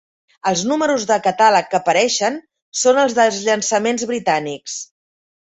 Els números de catàleg que apareixen són els dels llançaments britànics.